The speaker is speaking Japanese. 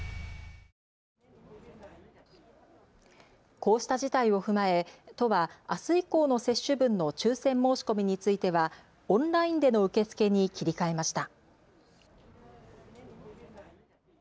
こうした事態を踏まえ、都はあす以降の接種分の抽せん申し込みについてはオンラインでの受け付けに切り替えました。